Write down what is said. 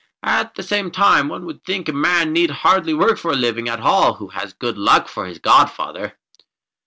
At the same time one would think a man need hardly work for his living at all who has Good Luck for his godfather."